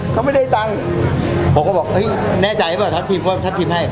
เขาไม่ได้ตังค์ผมก็บอกเฮ้ยแน่ใจป่ะท่านทีมเพราะท่านทีมให้